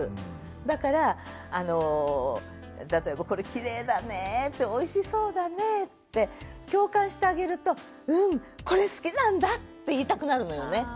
だから例えば「これきれいだね」って「おいしそうだね」って共感してあげると「うんこれ好きなんだ」って言いたくなるのよね。